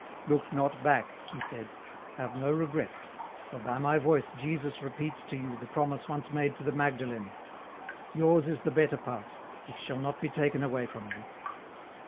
" Look not back," he said, " have no regrets, for by my voice Jesus repeats to you the promise once made to the Magdalen, ' yours is the better part, which shall not be taken away from you.'